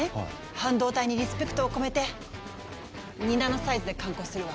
半導体にリスペクトを込めて２ナノサイズで刊行するわ。